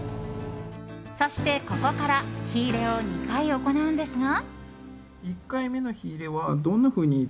そして、ここから火入れを２回行うのですが。